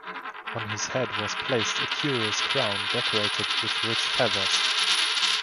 On his head was placed a curious crown decorated with rich feathers.